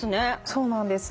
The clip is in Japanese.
そうなんです。